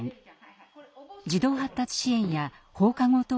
児童発達支援や放課後等